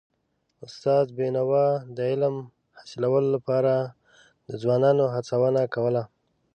استاد بينوا د علم حاصلولو لپاره د ځوانانو هڅونه کوله.